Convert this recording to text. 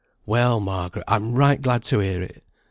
"Well, Margaret, I'm right glad to hear it."